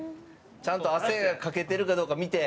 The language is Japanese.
ちゃんと汗かけてるかどうか見て。